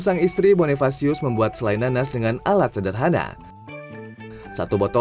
hal ini memberi berkah bagi pelanggan yang berada di dalam kota labuan bajo